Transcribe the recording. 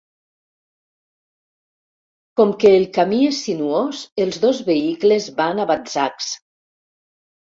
Com que el camí és sinuós els dos vehicles van a batzacs.